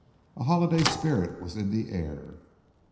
A holiday spirit was in the air.